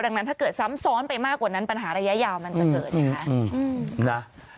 ดังนั้นถ้าเกิดซ้ำซ้อนไปมากกว่านั้นปัญหาระยะยาวมันจะเกิดยังไงคะ